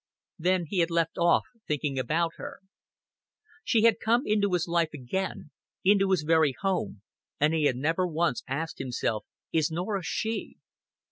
Then he had left off thinking about her. She had come into his life again, into his very home, and he had never once asked himself: "Is Norah she?"